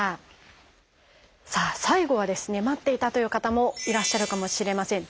さあ最後はですね待っていたという方もいらっしゃるかもしれません。